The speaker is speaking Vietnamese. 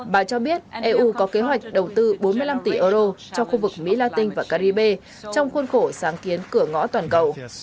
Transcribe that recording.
bà cho biết eu có kế hoạch đầu tư bốn mươi năm tỷ euro cho khu vực mỹ latin và caribe trong khuôn khổ sáng kiến cửa ngõ toàn cầu